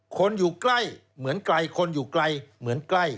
คนอยู่ใกล้เหมือนไกลคนอยู่ไกลเหมือนใกล้